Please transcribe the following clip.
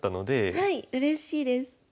はいうれしいです。